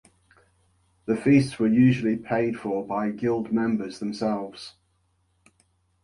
The feasts were usually paid for by guild members themselves.